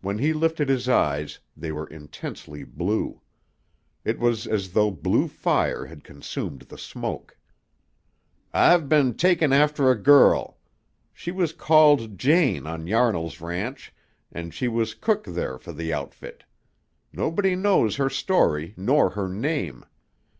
When he lifted his eyes, they were intensely blue. It was as though blue fire had consumed the smoke. "I've been takin' after a girl. She was called Jane on Yarnall's ranch an' she was cook there for the outfit. Nobody knowed her story nor her name.